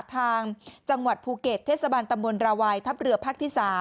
ทางจังหวัดภูเขตเทศบันดรราวัยทับเรือภักดิ์ที่๓